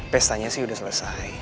pesta nya sih udah selesai